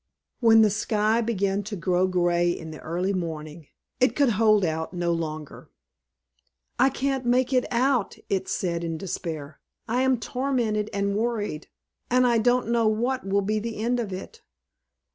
When the sky began to grow gray in the early morning it could hold out no longer. "I can't make it out," it said in despair. "I am tormented and worried, and I don't know what will be the end of it.